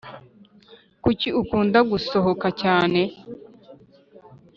kuki ukunda gusohoka cyane